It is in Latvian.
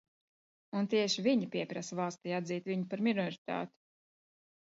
Un tieši viņa pieprasa valstij atzīt viņu par minoritāti.